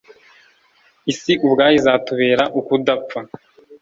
Isi ubwayo izatubera Ukudapfa